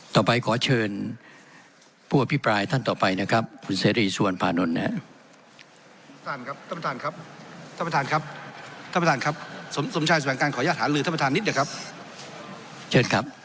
ต่อไปขอเชิญผู้อภิพรายท่านต่อไปนะครับคุณเซธรีย์ส่วนพาตนเนอะ